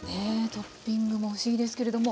トッピングも不思議ですけれども。